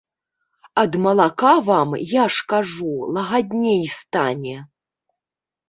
Ад малака вам, я ж кажу, лагадней стане.